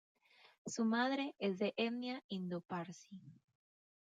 Su madre es de etnia Indo-Parsi.